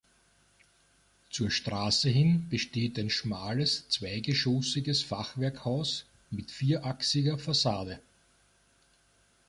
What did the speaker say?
Zur Straße hin besteht ein schmales zweigeschossiges Fachwerkhaus mit vierachsiger Fassade.